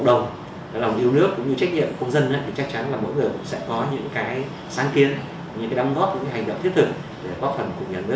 để bóp phần của nhà nước vượt qua đại diện